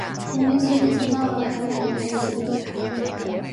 封面设计参照了海滩男孩的专辑。